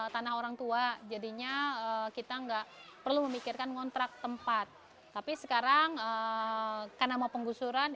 tanah orangtua jadinya kita enggak perlu memikirkan ngontrak tempat tapi sekarang karena mau penggusuran